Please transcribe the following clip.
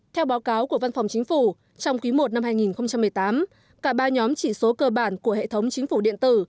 theo báo cáo của văn phòng chính phủ trong quý i năm hai nghìn một mươi tám cả ba nhóm chỉ số cơ bản của hệ thống chính phủ điện tử